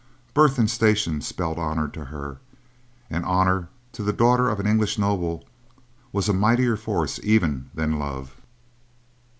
Birth and station spelled honor to her, and honor, to the daughter of an English noble, was a mightier force even than love.